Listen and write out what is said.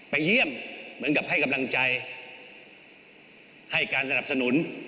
เยี่ยมเหมือนกับให้กำลังใจให้การสนับสนุน